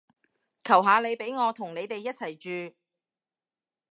求下你畀我同你哋一齊住